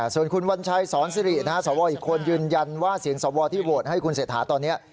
ส่วนคุณวัญชัยสอนสิริสวอีกคนยืนยันว่าเสียงสวที่โหวตให้คุณเศรษฐาตอนนี้